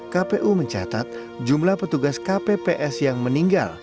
kpu mencatat jumlah petugas kpps yang meninggal